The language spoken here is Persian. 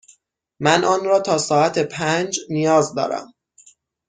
من آن را تا ساعت پنج نیاز دارم.